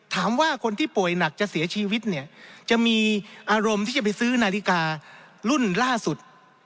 ถามว่าคนที่ป่วยหนักจะเสียชีวิตเนี่ยจะมีอารมณ์ที่จะไปซื้อนาฬิการุ่นล่าสุด